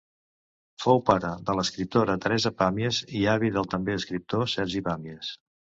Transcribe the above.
Fou pare de l'escriptora Teresa Pàmies i avi del també escriptor Sergi Pàmies.